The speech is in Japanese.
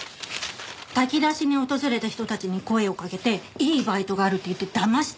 炊き出しに訪れた人たちに声をかけて「いいバイトがある」っていってだまして。